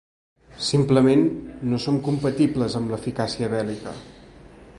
Simplement, no són compatibles amb l'eficàcia bèl·lica.